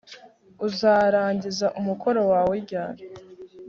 Uzarangiza umukoro wawe ryari